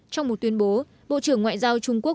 trong một tuyên bố bộ trưởng ngoại giao chính phủ trung quốc